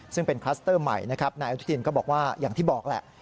ซึ่งเป็นคลัสเตอร์ใหม่นะครับนายอนุทินก็บอกว่าอย่างที่บอกแหละ